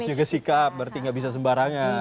menjaga sikap berarti nggak bisa sembarangan